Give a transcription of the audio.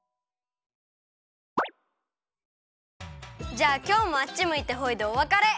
じゃあきょうもあっちむいてホイでおわかれ！